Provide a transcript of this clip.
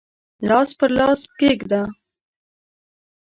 لاس پر لاس کښېږده